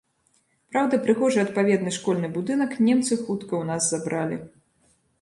Праўда, прыгожы адпаведны школьны будынак немцы хутка ў нас забралі.